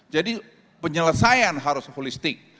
jadi penyelesaian harus holistik